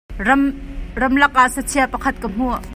Ramlak ah sachia pakhat ka hmuh.